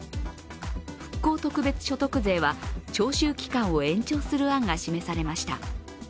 復興特別所得税は徴収期間を延長する案が示されました。